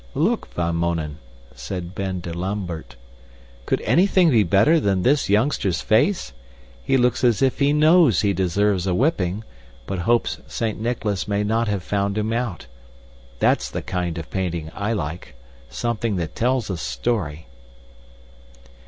"Look, Van Mounen," said Ben to Lambert. "Could anything be better than this youngster's face? He looks as if he KNOWS he deserves a whipping, but hopes Saint Nicholas may not have found him out. That's the kind of painting I like; something that tells a story."